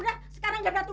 dia cek aja begini kan